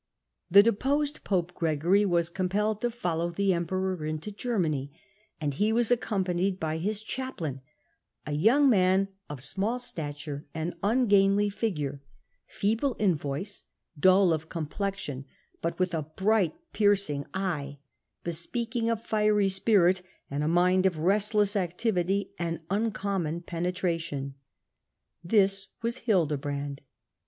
y The deposed pope^Gr^orj^was compelled to follow the emperor into Germany, and he was accompanied Early life of ^7 I^S ^^SEI^' ^ 7955? °^*"^^^ smdljtataire HUdebrand ^q^ ungainly figure, feeHte in voice, dull of compl^on, but with a bright piercing eye, Bespeaking^ a fiery spirit, and a mind of restless activity and uncom mon penetration. This was Hildebrand.